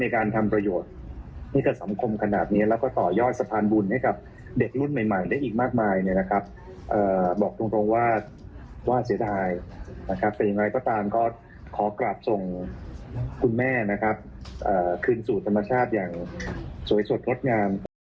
ขอกลับส่งคุณแม่นะครับคืนสู่ธรรมชาติอย่างสวยสดพรดงาม